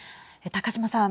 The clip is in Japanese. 高島さん。